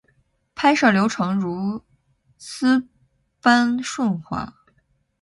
拍摄流程如丝般顺滑